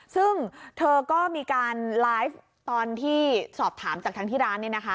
ซึ่งเธอก็มีการไลฟ์ตอนที่สอบถามจากทางที่ร้าน